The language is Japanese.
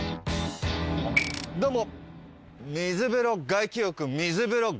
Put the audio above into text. どうも。